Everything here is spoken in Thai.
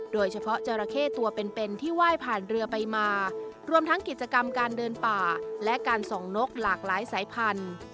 โดยเฉพาะจราเข้ตัวเป็นเป็นที่ไหว้ผ่านเรือไปมารวมทั้งกิจกรรมการเดินป่าและการส่องนกหลากหลายสายพันธุ์